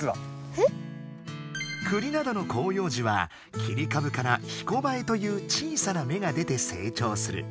クリなどの広葉樹は切りかぶから「ひこばえ」という小さなめが出て成長する。